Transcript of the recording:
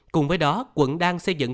cùng với đó quận đang xây dựng